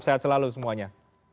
sehat selalu semuanya